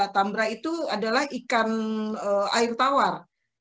tambra itu adalah ikan air tawar